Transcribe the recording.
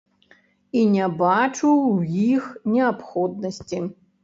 І не бачу ў іх неабходнасці.